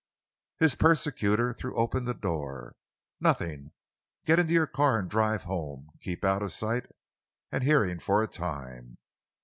His persecutor threw open the door. "Nothing! Get into your car and drive home. Keep out of sight and hearing for a time.